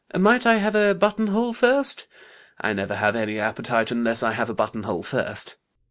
Might I have a buttonhole first? I never have any appetite unless I have a buttonhole first.